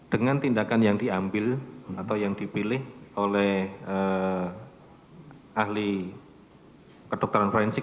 dengan tindakan yang diambil atau yang dipilih oleh ahli kedokteran forensik